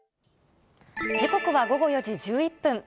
時刻は午後４時１１分。